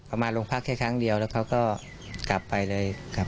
มาโรงพักแค่ครั้งเดียวแล้วเขาก็กลับไปเลยกลับ